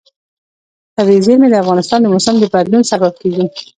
طبیعي زیرمې د افغانستان د موسم د بدلون سبب کېږي.